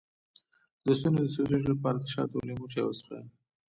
د ستوني د سوزش لپاره د شاتو او لیمو چای وڅښئ